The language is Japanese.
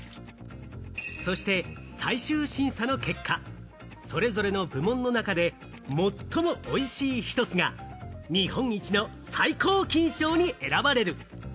そして最終審査の結果、それぞれの部門の中で最もおいしい１つが日本一の最高金賞に選ばれる。